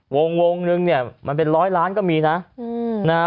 วงวงนึงเนี่ยมันเป็นร้อยล้านก็มีนะ